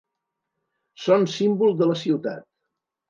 Són símbol de la ciutat.